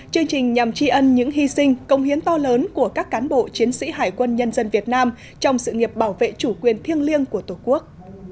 chương trình nhằm tri ân những hy sinh công hiến to lớn của các cán bộ chiến sĩ hải quân nhân dân việt nam trong sự nghiệp bảo vệ chủ quyền thiêng liêng của tổ quốc